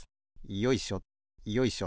よいしょよいしょ。